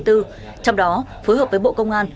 trong đó phối hợp với bộ công an